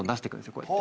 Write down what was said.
こうやって。